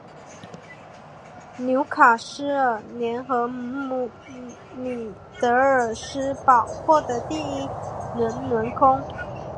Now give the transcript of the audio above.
纽卡斯尔联和米德尔斯堡获得第一轮轮空。